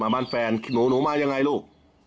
มาบ้านแฟนหนูมาอย่างไรลูก